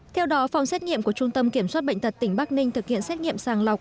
theo đó phòng xét nghiệm của trung tâm kiểm soát bệnh tật tỉnh bắc ninh thực hiện xét nghiệm sàng lọc